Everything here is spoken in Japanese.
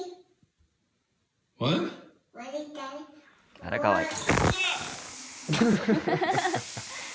あら、かわいい。